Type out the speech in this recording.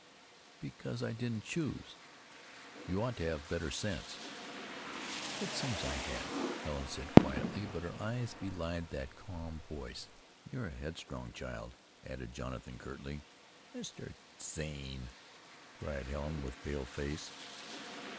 "Because I didn't choose." "You ought to have better sense." "It seems I hadn't," Helen said quietly, but her eyes belied that calm voice. "You're a headstrong child," Jonathan added curtly. "Mr. Zane!" cried Helen with pale face.